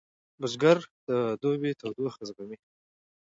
بزګر د دوبي تودوخه زغمي